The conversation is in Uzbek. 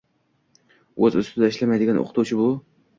Oʻz ustida ishlamaydigan oʻqituvchi bu